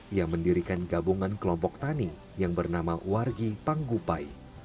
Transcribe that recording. ia mendirikan gabungan kelompok tani yang bernama wargi panggupai